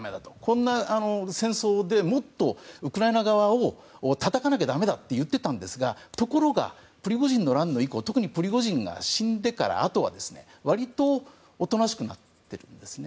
こんな戦争でもっとウクライナ側をたたかなきゃだめだと言っていたんですがところがプリゴジンの乱以降特にプリゴジンが死んでからあとは割とおとなしくなってるんですね。